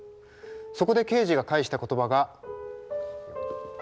そこでケージが返した言葉が。